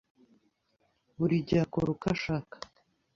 Buri gihe akora uko ashaka.